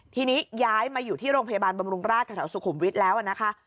ทีนี้ย้ายมาอยู่ที่โรงพยาบาลบำรุงราชแถวสุขุมวิทย์แล้วนะคะ